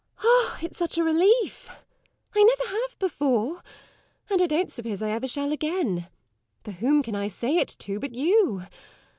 Oh, it's such a relief! I never have before, and I don't suppose I ever shall again for whom can I say it to but you?